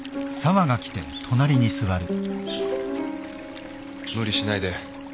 無理しないで。